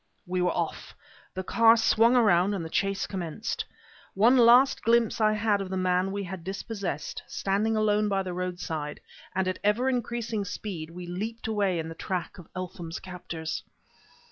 We were off! The car swung around and the chase commenced. One last glimpse I had of the man we had dispossessed, standing alone by the roadside, and at ever increasing speed, we leaped away in the track of Eltham's captors.